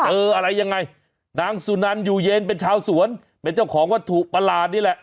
อะไรยังไงนางสุนันอยู่เย็นเป็นชาวสวนเป็นเจ้าของวัตถุประหลาดนี่แหละ